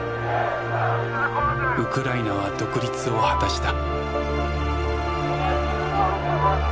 ウクライナは独立を果たした。